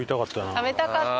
滝沢：食べたかった。